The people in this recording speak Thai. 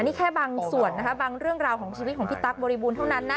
นี่แค่บางส่วนนะคะบางเรื่องราวของชีวิตของพี่ตั๊กบริบูรณเท่านั้นนะ